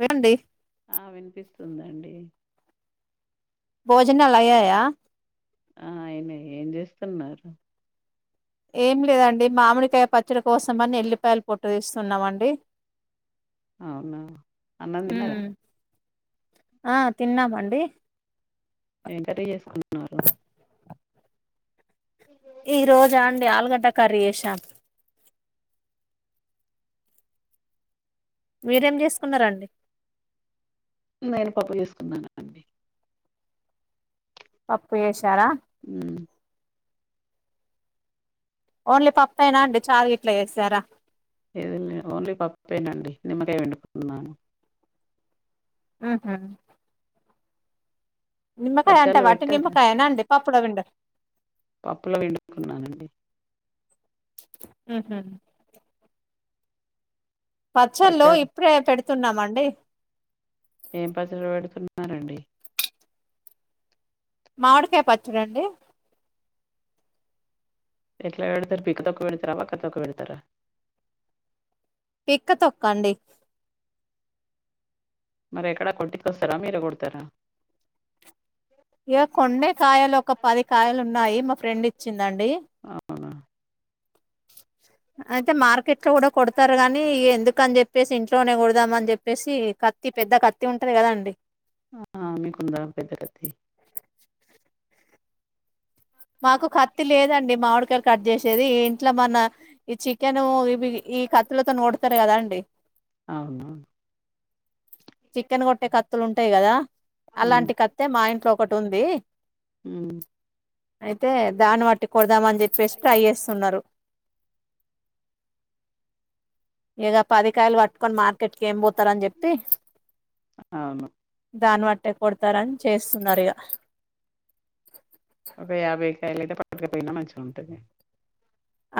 వినండి ఆ వినిపిస్తుందండి భోజనాలు అయ్యాయ ఆ అయినయ్ ఏం జేస్తున్నారు ఏం లే దండి మామిడికాయ పచ్చడి కోసం అని ఎల్లిపాయల పొట్టు తీస్తున్నామండి అవునా అన్నం తిన్నరా ఉమ్ ఆ తిన్నామండి ఎం కర్రీ చేసుకున్నారు ఈ రోజా అండి ఆలుగడ్డ కర్రీ చేసాం మీరేం జేసుకున్నారండి నేను పప్పు చేసుకున్నాను అండి పప్పు ఎసారా మ్మ్ ఓన్లీ పప్పేనా అండి చారు గిట్లా చేసారా లేదండి ఓన్లీ పప్పేనండి నిమ్మకాయ పిండుకున్నాను మ్ హు నిమ్మకాయ అంటే పచ్చళ్ళు వట్టి పెట్టారా నిమ్మకాయెన అండి పప్పులో పిండా పప్పులో పిండుకున్నానండి మ్ హు పచ్చళ్ళు ఇప్పుడే పెడుతున్నామండి ఏం పచ్చళ్ళు పెడుతున్నారండి మావిడికాయ్ పచ్చడండి ఎట్లా వేడతరు, పీక్క తోక పెడ్తారా, వక్కాతోక పెడ్తారా? పిక్క తొక్కండి. మరి ఎక్కడా కొంటికోస్తారా, మీరే కొడతారా. ఇగా కొన్నే కాయలు, ఒక పది కాయలు ఉన్నాయి. మా ఫ్రెండ్ ఇచ్చిందండి. అవునా అయితే మార్కెట్ లో కూడా కొడతారు. కాని ఎందుకని చెప్పేసి, ఇంట్లోనే కోడదామని చెప్పేసి. క కత్తి పెద్ద కత్తి ఉంటది. గదా అండి. ఆ మీకుందాం పెద్దతి కత్తి మాకు కత్తి లేదండి, మామిడికాయలు కట్ చేసేది. ఇంట్లో మొన్నా ఈ చికెను ఇవి, ఈ కత్తులతోని కోడతరు కదా అండి. అవునా చికెన్ కొట్టే కత్తులు ఉంటాయి. కదా అలాంటి కత్త్తె మా ఇంట్లో ఒకటి ఉంది. అయితే, దాన్ని వట్టి కోడదామని చెప్పేసి ట్రై చేస్తున్నారు. ఇగా, పది కాయలు వట్టుకొని మార్ క్కట్కి ఎం పోతారుని చెప్పి, అవును దాన్ని బట్టే కొ తారని చేస్తున్నారు. ఇగా పొకపోయినా, మంచిగా ఉంటుంది.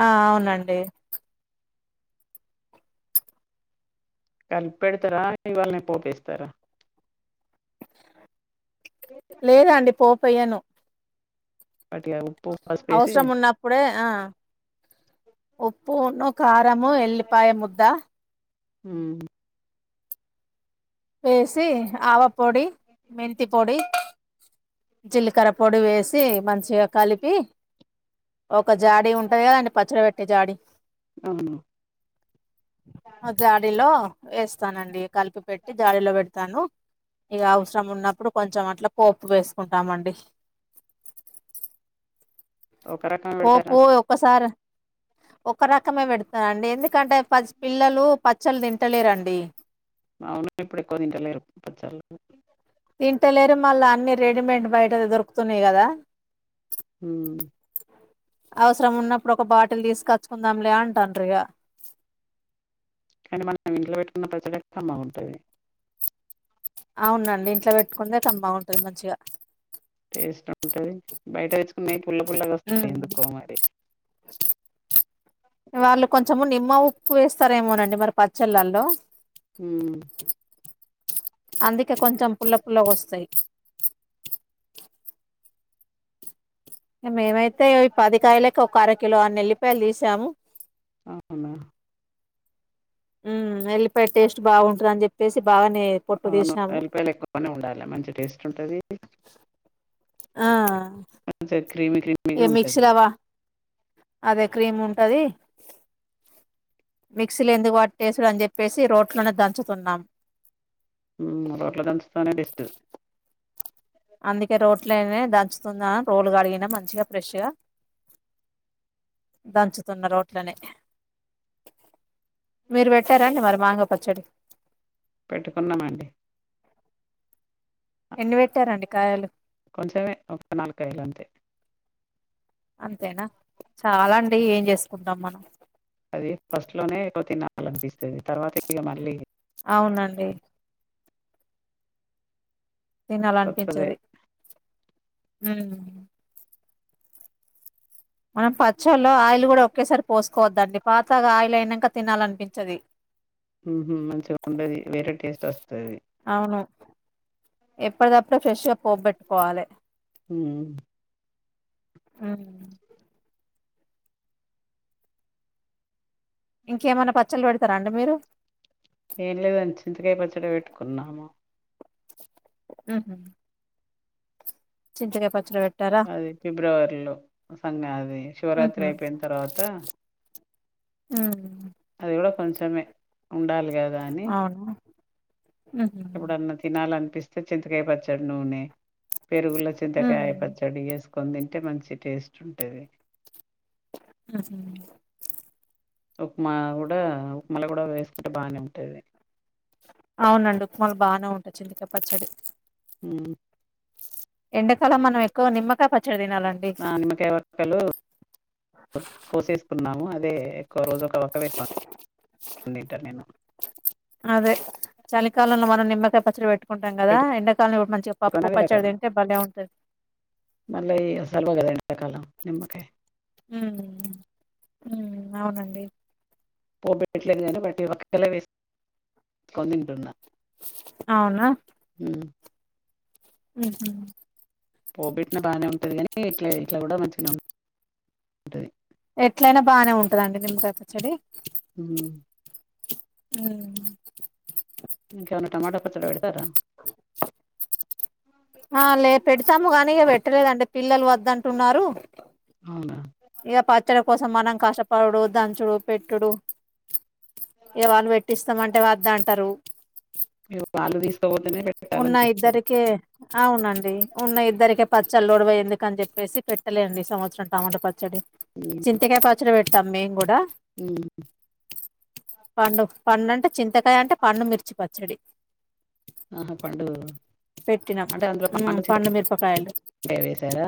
ఆ అవునండి. కలిపి పెడతారా, ఇవాళ్ళనే పోపేస్తారా? లేదాండి పోపు ఎయ్యాను. పటివ ఉప్పు పసుపేసి అవసరం ఉన్నప్పుడే, ఆ ఉప్పున్ను కా రము ఎల్లిపాయ ముద్ద. ఉమ్ వేసి ఆవ పొడి, మెంతి పొడి, జీలకర్ర పొడి వేసి, మంచిగా కలిపి ఒక ఒక జాడి ఉంటది. కదండి పచ్చడి పెట్టే జాడి అవును అ జాడీలో వేస్తానండి. కలిపి పెట్టి లో పెడతాను. ఇగా అవసరం ఉన్నప్పుడు కొంచెం అట్ల పోపు వేసుకుంటామండి. ఒక రకం పెడతారా పోపు ఒకసారి, ఒక రకమే పెడుత అండి ఎందుకంటే, పసి పిల్లలు పచ్చళ్ళు తింటలేరండి. అవును ఇప్పుడు ఎక్కువ తింటలేరు, పచ్చళ్ళు తింటలేరు. మళ్ళీ అన్ని రెడీమేడ్ బయట దోరు తున్నాయి కదా, ఉమ్ అవసరం ఉన్నప్పుడు, ఒక బాటిల్ తీసుకొచ్చు కొందాములే ఆంటంటాండ్ర ఇగా కానీ, మనం ఇంట్లో పెట్టుకున్న పచ్చళ్ళు బాగుంటది. అవునండి, ఇంట్లో పెట్టుకుంటే బాగుంటది. కమ్మగ మంచిగా. టేస్ట్ ఉంటది. బయట తెచ్చు పుల్ల పుల్ల వస్తది. హ్మ్. ఎందుకో మరి వాళ్ళు కొంచము నిమ్మ ఉప్పు వేస్తారేమోనండి. మరి పచ్చళ్ళల్లో ఉ అందుకె కొంచెం పుల్ల పుల్ల గోస్తాయి. మేమైతే అయితే, పదికాయలకి ఒక అర కిలో అన్నెల్లిపాయలు తీసాము. అవునా మ్ ఎల్ పొట్టు అవును తీసాము ఎల్లిపాయలు ఎక్కువగానే ఉండాలి మంచి టేస్ట్ ఉంటది. ఆ మంచిగా క్రీమీ క్రిమీ ఇక గా ఉంటది. మిక్సీలవా అదే క్రీమ్ ఉంటది. మిక్సీలు ఎందుకు పట్టేస్ తుడు అని చెప్పేసి రోట్లోనే దంచుతున్నాం ఉమ్ రోట్లో దంచుతనే బెస్ట్ అందుకే రోట్లోనే దంచుతున్నా రోలు కడిగినా మంచిగా ఫ్రెష్గా దంచుతున్న రోట్లనే మీరు పెట్టారాండి మరి మ్యాంగో పచ్చడి పెట్టుకున్నామండి ఎన్ని పెట్టారండి కాయలు కొంచమే ఒక నాలుగు కాయలు అంతే అంతేనా చాల్ అండి ఏం చేసుకుంటాం మనం అది ఫస్ట్ లోనే ఎక్కువ తినాల అనిపిస్తది తర్వాత ఇగ మళ్ళీ అవునండి తినాల కొత్తదే అనిపించది హ్మ్ మనం పచ్చల్లో ఆయిల్ కూడా ఒకేసారి పోసుకోవద్దండి పాతగా ఆయిల్ అయినాక తినాలనిపించది హ్మ్ హు మంచిగ ఉండది వేరే టేస్ట్ వస్తది అవును ఎప్పటిదప్పుడే ఫ్రెష్గా పోబెట్టుకోవాలే హ్మ్ హ్మ్ ఇంకేమైనా పచ్చళ్ళ పెడతారా అండి మీరు ఏం లేదు అండి చింతకాయ పచ్చడి పెట్టుకున్నాము హ్మ్ హు చింతకాయ పచ్చడి పెట్ అది ఫిబ్రవరిలో సంగ అది శివరాత్రి అయిపోయిన తర్వాత హ్మ్ అది కూడా కొంచమే ఉండాలి కదా అని అవును ఉహు ఎప్పుడన్న తినాల అం పిస్తే చింతకాయ పచ్చడు నూనె పెరుగుల ఉమ్ చింతకాయ పచ్చడి ఎస్ కొని తింటే మంచి టేస్ట్ ఉంటది హ్మ్ హు ఉప్మా కూడా ఉప్మాలో కూడా వేసుకుంటే బానే ఉంటది అవునండి ఉప్మాలో బానే ఉంటది చింతకాయ పచ్చడి హ్మ్ ఎండాకాలం మనం ఎక్కువ నిమ్మకాయ పచ్చడి తినాలండి కో కోసేసుకున్నాము అది ఎక్కువ రోజు ఒక ఒక వెస్కొని తింటాను నేను అదే చలికాలంలో మనం నిమ్మకాయ పచ్చడి పెట్టుకుంటాం కదా ఎండ [unintelligible] మంచిగా పప్పు పెట్టుకొని అది పచ్చడి ఎండాకాలం తింటే భలే ఉంటది ఎండకాలం నిమ్మకాయ్ హ్మ్ హ్మ్ హ్మ్ అవునండి పోప్ పేటట్లేదు గాని బట్టి ఒక్కేలా లా వేసుకోని తింటున్నా అవునా హ్మ్ హు పోబెట్టిన బానే ఉంటది కాని ఇట్లా ఇట్లా కూడా మంచిగా ఉంటది ఎట్లయినా బానే ఉంటాదండి నిమ్మకాయ పచ్చడి హ్మ్ హ్మ్ ఇంకేమైనా టమాటా పచ్చడి పెడతార ఆ లే పెడతాము గాని ఇగ పెట్టలేదంటే పిల్లలు వద్దంటున్నారు అవునా ఇగ పచ్చడి కోసం మనం కష్టపడుడు దంచుడు పెట్టుడు ఇగ వాళ్ళు పెట్టిస్తామంటే వద్ద అంటారు ఇగ వాళ్ళు తీసుకోపోతేనే ఉన్న పెట్టాలనిపిస్తుంది ఇద్దరికే అవునం డి ఉన్న ఇద్దరికే పచ్చళ్ళ లోడవయ్ ఎందుక అని చెప్పేసి పెట్టలే అండి ఈ సంవత్సరం టమాట పచ్చడి చింతకాయ పచ్చడి పెట్టాం మేం గూడ ఉమ్ పండు పండు అంటే చింతకాయ అంటే పండు మిర్చి పచ్చడి ఆహా పండు పెట్టినాం అంటే అందులో ఉమ్ పండు చింతకాయ మిరపకాయలు వేశారా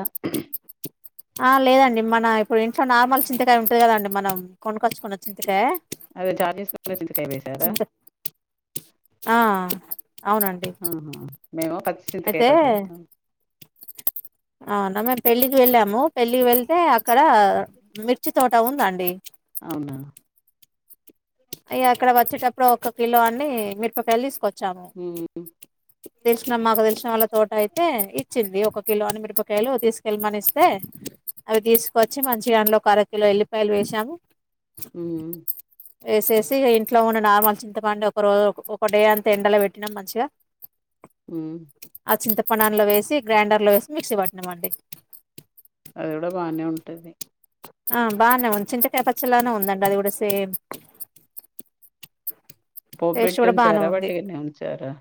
ఆ లేదండి మన ఇప్పుడు ఇంట్లో నార్మల్ చింతకాయ ఉంటది కదండి మనం కొనుకొచ్చుకున్న చింతకాయ అదే [inaudible] చింతకాయ వేశారా? చింత ఆ అవునండి ఆహా మేము కత్ అయితే ఆనగ పెళ్లికి వెళ్ళాము పెళ్లికి వెళ్తే అక్కడ మిర్చి తోట ఉందండి. అవునా ఇగ అక్కడ వచ్చేటప్పుడు ఒక కిలో అన్ని మిరపకాయలు తీసుకొచ్చాము. ఉమ్, తెలిసినామే మాకు తెలిసినా వాళ్ళ తోట అయితే ఇచ్చింది ఒక కిలో అని మిరపకాయలు తీసుకెళ్ళమని ఇస్తే అవి తీసుకొచ్చి మంచిగా అందులోకి అర కిలో ఎల్లుల్లిపాయలు వేశాము. ఉమ్ వేసేసి ఇంట్లో ఉన్న నార్మల్ చింతపండు ఒక రోజు ఒక డే అంత ఎండలో పెట్టినాం మంచి గా ఉమ్ చింతపండు అందులో వేసి గ్రైండర్ లో వేసి మిక్సీ పట్టినామండి. అది కూడా బానే ఉంటది ఆ బానే ఉంది చింతకాయ పచ్ చ్చడి లానే ఉందండి అది గూడ సేమ్ పోపు టేస్ట్ బెట్టి కూడా బాగానే ఉంచారా ఉంది వట్టిగానే ఉంచారా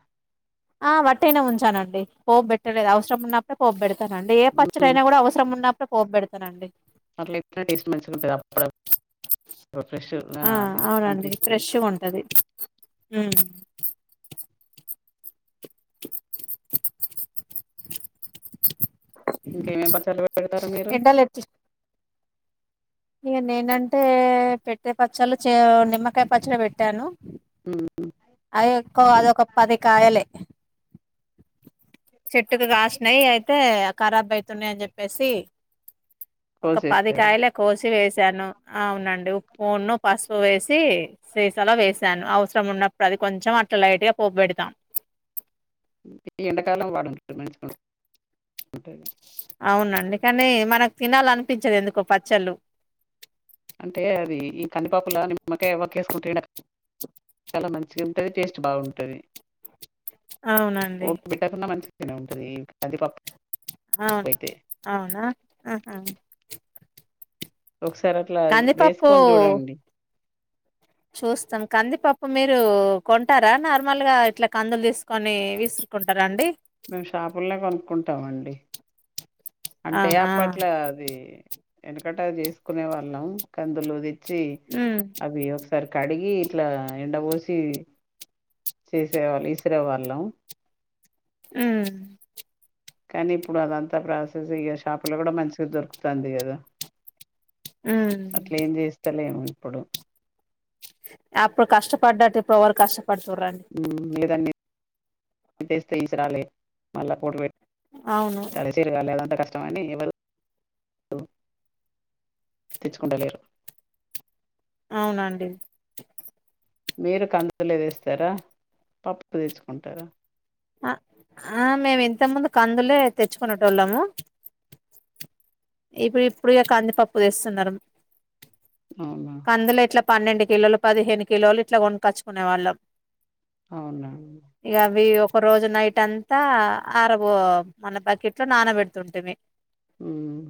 ఆ వట్టిగానే ఉంచానండి పోపు పెట్టలేదు అవసరం ఉన్నప్పుడే పోపు పెడ్ తానండి ఏ పచ్చడి ఉమ్ ఐనా గూడా అవసరం ఉన్నప్పుడే పోపు పెడతానండి. అట్లా చేస్తే టేస్ట్ మంచిగా ఉంటదా [inaudible] ఆ అవునండి ఫ్రెష్ గా ఉంటది. ఉమ్ ఇంకేమేమ్ పచ్చళ్ళు పడతారు మీరు ఎండలు ఎట్ ఇగ నేనంటే పెట్టే పచ్చలు చే నిమ్మకాయ పచ్చడి పెట్టాను. ఉమ్ ఆ యక్కో అదొక పది కాయలే చెట్టుకు కాసినాయి అయితే ఖరాబ్ అయితున్నాయి అని చెప్పేసి ఒక కోసేస్తారా పదికాయలే కోసి వేస్ శాను అవునండి ఉప్పూను పసుపు వేసి సీసలో వేశాను అవసరం ఉన్నప్ డు అది కొంచెం అట్లా లైట్ గా పోప్పు పెడతాం. ఈ ఎండాకాలం వాడుంటారు మంచిగా [unintelligible] అవును అందుకనే మనకు తినాలనిపించదు ఎందుకో పచ్చళ్ళు అంటే అది ఈ కందిపప్పులో నిమ్మకాయ [inaudible] చాలా మంచిగా ఉంటది టేస్ట్ బాగుంటది. అవునండి పోపు [unintelligible] ఉంటది ఇంక కంది పప్ అవును అవునా అహా ఒకసారి అట్లా కందిపప్పు వేసుకొని చూడండి చూస్తాం కందిపప్పు మీరు కొంటారా నార్మల్ గా ఇట్లా కందులు తీసుకొని విసురుకుంటారా అండి? మేము షాపుల్ నే కొనుక్కుంటామండి. అంటే అవునా అప్పట్లో అది వెనకట చేసుకునే వాళ్ళం కందులు దె చ్చి ఉమ్ అవి ఒకసారి కడిగి ఇట్లా ఎండ పోసి చేసేవాళ్ళు యిసిరే వాళ్ళం. మ్ కానీ ఇప్పుడు అదంతా ప్రాసెస్ ఇ షాపులో కూడా మంచిగా దొరుకుతుంది కదా ఉమ్ అట్లే ఏం చేస్తలేము ఇప్పుడు అప్పుడు కష్టపడ్డట్టు ఇప్పుడు ఎవరు కష్టపడుతు రండి లేదన్ని తెస్తే ఇసరాలే మళ్ళ అవును [unintelligible] కష్ట కాని ఎవరు తెచ్చుకుంటలేరు అవునాండి మీరు కందులే వేస్తారా పప్పు తెచ్చుకుంటారా ఆ ఆ మేము ఇంత ముందు కందులే తెచ్చుకునేటోళ్ళము ఇప్పుడు ఇప్పుడె కందిపప్పు తెస్తున్నారు అవునా కందులు ఇట్లా పన్నెండు కిలోలు పదిహేను కిలోలు ఇట్లా కొనుక్కొచ్చుకునేవాళ్ళం అవునా ఒక రోజు నైట్ అంతా అరబో మన బకెట్లో నానబెడుతుంటిమి ఉమ్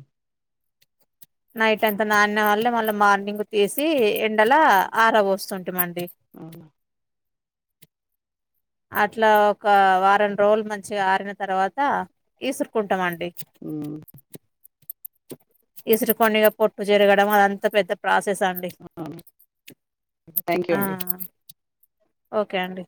నైట్ అంత నాణ్యవాల్లే మళ్ళీ మార్నింగ్ తీసి ఎండల ఆర పోస్తు మండి అట్లా ఒక వారం రోజులు మంచిగా ఆరిన తర్వాత ఇసురుకుంటమండి ఇసురికొని పొట్టు చరగడం అదంత పెద్ద ప్రాస స్ అండి అవును థ్యాంక్ యూ ఆ అండి ఓకే అండి